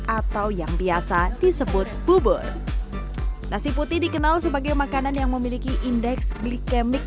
atau yang biasa disebut bubur nasi putih dikenal sebagai makanan yang memiliki indeks glikemik